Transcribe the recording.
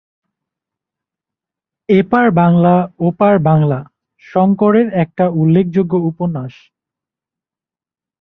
এপার-বাংলা-ওপার-বাংলা শংকরের একটা উল্ল্যেখযোগ্য উপন্যাস।